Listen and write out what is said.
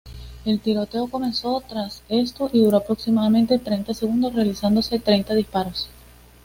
El tiroteo comenzó tras esto y duró aproximadamente treinta segundos, realizándose treinta disparos.